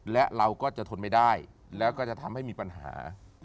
และเราก็จะทนไม่ได้แล้วก็จะทำให้มีปัญหา